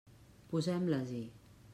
Posem-les-hi.